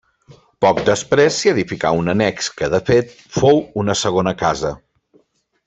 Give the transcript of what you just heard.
Poc després s'hi edificà un annex que de fet, fou una segona casa.